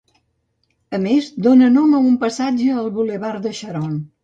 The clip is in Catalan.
A més, dona nom a un passatge al bulevard de Charonne.